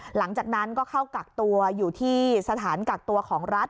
หลังจากนั้นก็เข้ากักตัวอยู่ที่สถานกักตัวของรัฐ